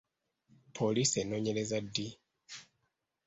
Poliisi enoonyereza ddi?